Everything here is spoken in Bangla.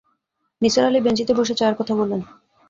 নিসার আলি বেঞ্চিতে বসে চায়ের কথা বললেন।